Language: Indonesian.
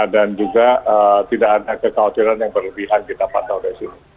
dan juga tidak ada kekhawatiran yang berlebihan kita pantau dari sini